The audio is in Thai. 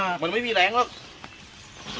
มันไม่มีแรงหรอก